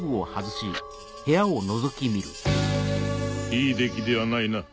いい出来ではないな。